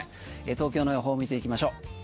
東京の予報見ていきましょう。